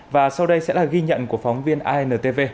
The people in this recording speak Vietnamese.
và sau đây sẽ là ghi nhận của phóng viên intv